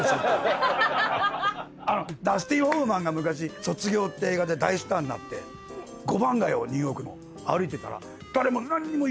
ダスティン・ホフマンが昔『卒業』って映画で大スターになって５番街をニューヨークの歩いてたら誰も何にも言わないんだって。